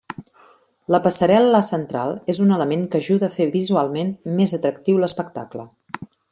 La passarel·la central és un element que ajuda a fer visualment més atractiu l'espectacle.